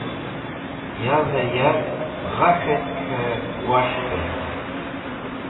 Yavẽ yark gha k̃hetk k̃hẽ wos̃hkẽv.